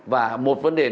và một vấn đề